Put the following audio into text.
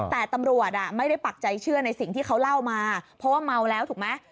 แต่ตำรวจไม่ได้ปักใจเชื่อในสิ่งที่เขาเล่ามาเพราะว่าเมาแล้วถูกไหม